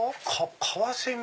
「カワセミ」